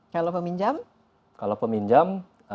kalau peminjam kalau peminjam